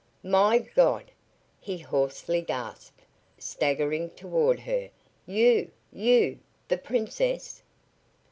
"My God!" he hoarsely gasped, staggering toward her. "You! You! The Princess?"